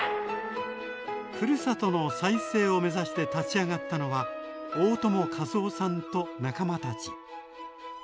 ふるさとの再生を目指して立ち上がったのは大友一雄さんと仲間たち。